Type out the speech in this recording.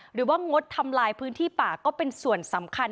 งดทำลายพื้นที่ป่าก็เป็นส่วนสำคัญ